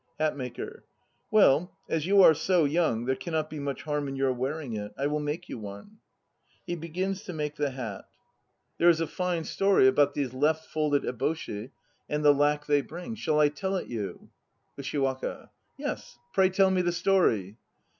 HATMAKER. Well, as you are so young there cannot be much harm in your wear ing it. I will make you one. (He begins to make the hat.) 1 A tall, nodding hat 72 THE NO PLAYS OF JAPAN There is a fine story about these left folded eboshi and the luck they bring. Shall I tell it you? USHIWAKA. Yes, pray tell me the story.